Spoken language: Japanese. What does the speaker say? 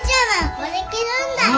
これ着るんだよ！